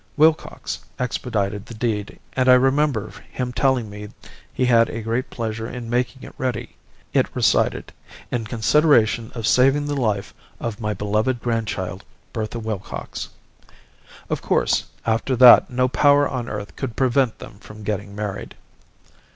Willcox expedited the deed, and I remember him telling me he had a great pleasure in making it ready. It recited: 'In consideration of saving the life of my beloved grandchild, Bertha Willcox.' "Of course, after that no power on earth could prevent them from getting married.